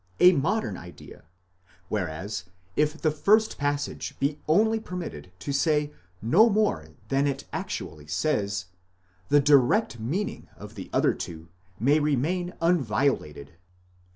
a modern idea ; whereas if the first passage be only permitted to say no more than it actually says, the direct meaning of the other two may remain unviolated